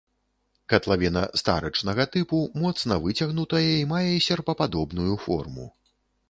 Катлавіна старычнага тыпу, моцна выцягнутая і мае серпападобную форму.